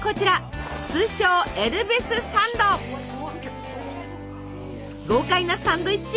通称豪快なサンドイッチ。